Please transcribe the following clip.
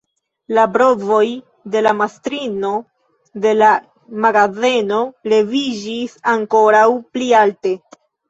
La brovoj de la mastrino de la magazeno leviĝis ankoraŭ pli alte.